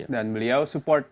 dan beliau support